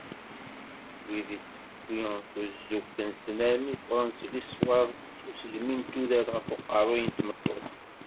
Wid i tewwi tuzzuft-nsen armi ffɣen seg sswab d usegmi n tudert ɣef uqerruy n tmeṭṭut.